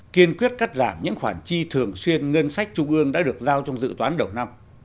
kiên quyết cắt giảm những khoản chi thường xuyên ngân sách trung ương đã được giao trong dự toán đầu năm